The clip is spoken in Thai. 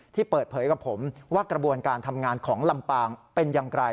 ที่เปิดเผยกับผมว่ากระบวนการทำงานของลำปางเป็นอย่างไร